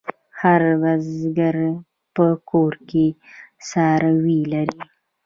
هر بزگر په کور کې څاروي لري.